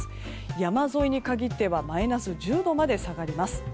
山沿いに限ってはマイナス１０度まで下がります。